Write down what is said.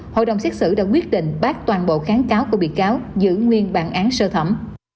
hội đồng xét xử đã quyết định bác toàn bộ kháng cáo của bị cáo giữ nguyên bản án sơ thẩm